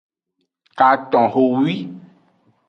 Katonhowi.